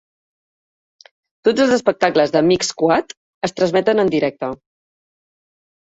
Tots els espectacles de Mix Squad es transmeten en directe.